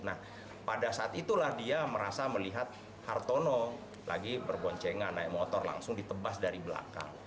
nah pada saat itulah dia merasa melihat hartono lagi berboncengan naik motor langsung ditebas dari belakang